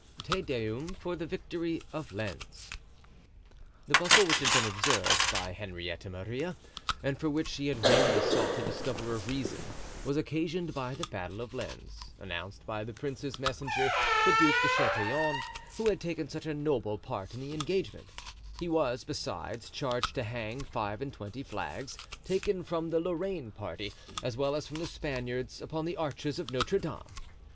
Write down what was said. Te Deum for the Victory of Lens. The bustle which had been observed by Henrietta Maria and for which she had vainly sought to discover a reason, was occasioned by the battle of Lens, announced by the prince's messenger, the Duc de Chatillon, who had taken such a noble part in the engagement; he was, besides, charged to hang five and twenty flags, taken from the Lorraine party, as well as from the Spaniards, upon the arches of Notre Dame.